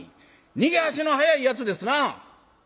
逃げ足の速いやつですな」。